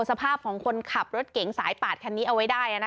สภาพของคนขับรถเก๋งสายปาดคันนี้เอาไว้ได้